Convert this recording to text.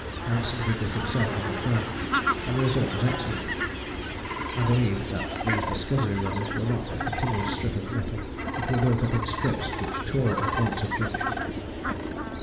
Nansen did this himself on the Fram, and the result was excellent. [I believe that these Discovery runners were not a continuous strip of metal but were built up in strips, which tore at the points of junction.